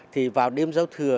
thì vào đêm giáo thừa